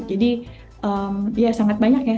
jadi ya sangat banyak ya